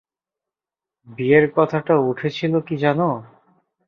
বিয়ের কথাটা উঠেছিল কি জান?